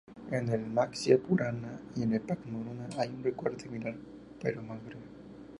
En el "Matsia-purana" y el "Padma-purana" hay un recuento similar pero más breve.